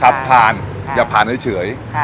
ครับทานอย่าผ่านเฉย